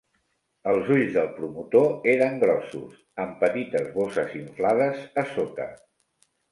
Els ulls del promotor eren grossos, amb petites bosses inflades a sota.